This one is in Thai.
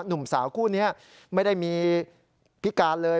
หนุ่มสาวคู่นี้ไม่ได้มีพิการเลย